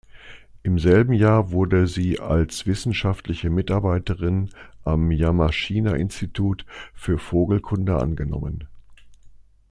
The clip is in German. Im selben Jahr wurde sie als wissenschaftliche Mitarbeiterin am Yamashina-Institut für Vogelkunde angenommen.